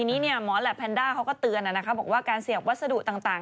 แต่ทีนี้มอร์สและแพนด้าเค้าก็เตือนบอกว่าการเสียบวัสดุต่าง